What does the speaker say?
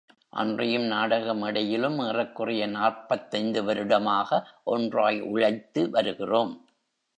அன்றியும் நாடக மேடையிலும் ஏறக்குறைய நாற்பத்தைந்து வருடமாக ஒன்றாய் உழைத்து வருகிறோம்.